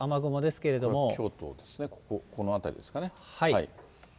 これが京都ですね、この辺りですかね。